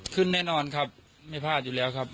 ขึ้นแน่นอนครับไม่พลาดอยู่แล้วครับ